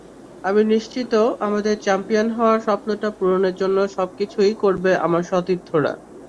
আমি নিশ্চিত, আমাদের চ্যাম্পিয়ন হওয়ার স্বপ্নটা পূরণের জন্য সবকিছুই করবে আমার সতীর্থরা।